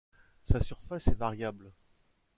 Sa surface est variable.